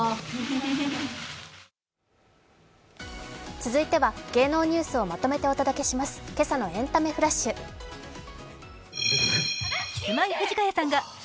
続いては芸能ニュースをまとめてお伝えします。